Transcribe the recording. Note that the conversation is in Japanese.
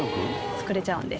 作れちゃうんです